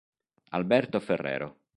Alberto Ferrero